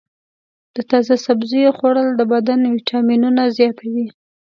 د تازه سبزیو خوړل د بدن ویټامینونه زیاتوي.